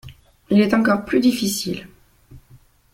Il est encore plus difficile.